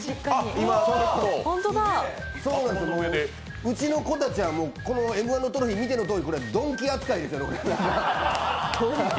もう、うちの子たちは、「Ｍ−１」のトロフィー見てのとおり鈍器扱いですよ。